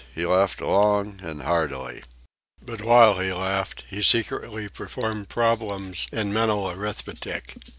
He laughed long and heartily. But while he laughed he secretly performed problems in mental arithmetic.